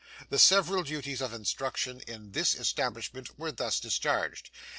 The several duties of instruction in this establishment were thus discharged.